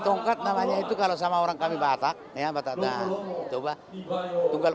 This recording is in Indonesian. tongkat namanya itu kalau sama orang kami batak ya batak coba tunggal